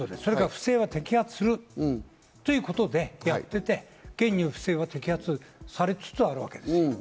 不正は摘発するということでやっていて、現に今、不正は摘発されつつあるわけです。